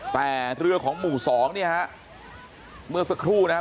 แต่เรือของหมู่สองเนี่ยฮะเมื่อสักครู่นะครับ